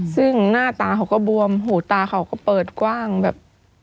ซึ่งหน้าตาเขาก็บวมหูตาเขาก็เปิดกว้างแบบ